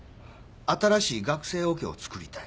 新しい学生オケを作りたい？